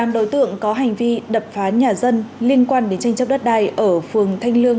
tám đối tượng có hành vi đập phá nhà dân liên quan đến tranh chấp đất đai ở phường thanh lương